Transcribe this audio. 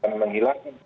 yang memang tidak sama